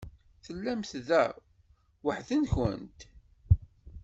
Tellamt da weḥd-nkent?